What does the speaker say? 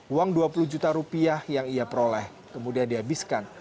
uang dua puluh juta rupiah yang ia peroleh kemudian dihabiskan